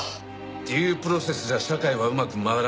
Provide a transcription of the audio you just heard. デュープロセスじゃ社会はうまく回らない。